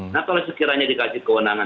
nah kalau sekiranya dikasih kewenangan